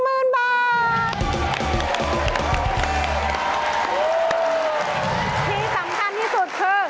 ที่สำคัญที่สุดคือ